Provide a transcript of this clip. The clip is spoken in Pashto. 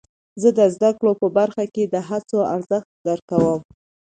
زه د زده کړې په برخه کې د هڅو ارزښت درک کوم.